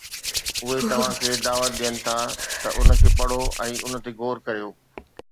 اهي توهان کي دعوت ڏين ٿا ته ان کي پڙهو ۽ ان تي غور ڪريو.